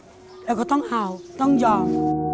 เราก็ต้องเอาต้องยอม